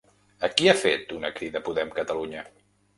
A qui ha fet una crida Podem Catalunya?